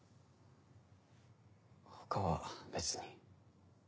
他は別に。